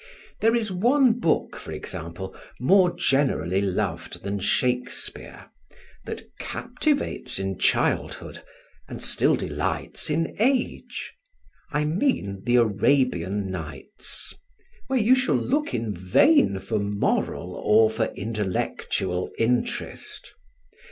There is one book, for example, more generally loved than Shakespeare, that captivates in childhood, and still delights in age I mean the Arabian Nights where you shall look in vain for moral or for intellectual interest.